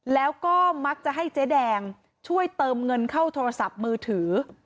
แล้วก็มักจะให้เจ๊แดงช่วยเติมเงินเข้าโทรศัพท์มือถือ